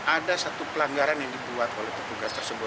ada satu pelanggaran yang dibuat oleh petugas tersebut